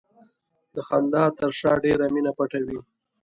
د خندا تر شا ډېره مینه پټه وي.